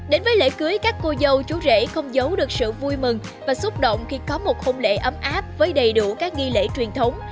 đến với lễ cưới các cô dâu chú rể không giấu được sự vui mừng và xúc động khi có một hôn lễ ấm áp với đầy đủ các nghi lễ truyền thống